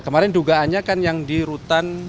kemarin dugaannya kan yang di rutan